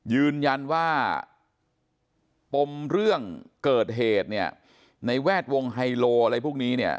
ยืนยันว่าปมเรื่องเกิดเหตุเนี่ยในแวดวงไฮโลอะไรพวกนี้เนี่ย